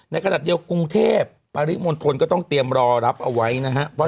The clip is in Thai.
ขนาดเดียวกรุงเทพปริมณฑลก็ต้องเตรียมรอรับเอาไว้นะฮะว่า